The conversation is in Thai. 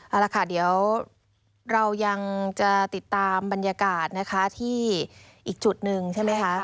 เอาละค่ะเดี๋ยวเรายังจะติดตามบรรยากาศนะคะที่อีกจุดหนึ่งใช่ไหมคะ